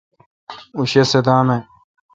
اوں شہ صدام اؘ ۔